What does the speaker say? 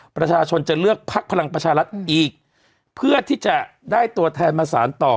ประชาชนจะเลือกพักพลังประชารัฐอีกเพื่อที่จะได้ตัวแทนมาสารต่อ